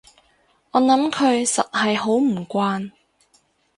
我諗佢實係好唔慣